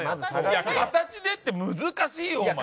形でって難しいよお前。